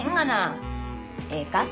ええか？